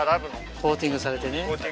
コーティングされてね。